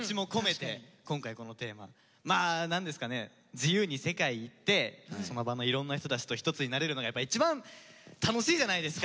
自由に世界行ってその場のいろんな人たちと一つになれるのがやっぱり一番楽しいじゃないですか。